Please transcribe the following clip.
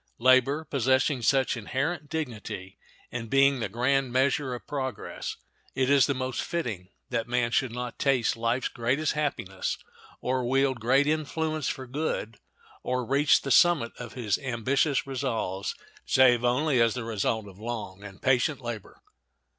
Labor, possessing such inherent dignity and being the grand measure of progress, it is most fitting that man should not taste life's greatest happiness, or wield great influence for good, or reach the summit of his ambitious resolves, save only as the result of long and patient labor.